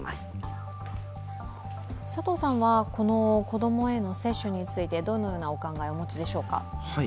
子供への接種についてどのようなお考えをお持ちですか。